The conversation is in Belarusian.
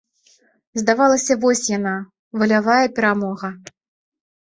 Здавалася, вось яна, валявая перамога.